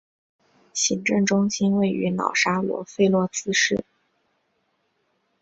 行政中心位于瑙沙罗费洛兹市。